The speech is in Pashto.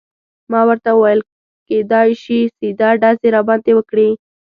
ما ورته وویل: کیدای شي سیده ډزې راباندې وکړي.